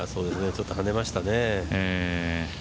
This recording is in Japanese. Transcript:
ちょっと跳ねましたね。